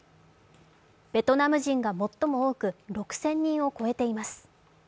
ベトナム人が最も多く、６０００人を超えています。